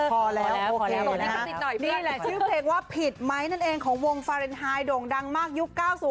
พอแล้วนี่แหละชื่อเพลงว่าผิดไหมนั่นเองของวงฟาเรนไฮโด่งดังมากยุค๙๐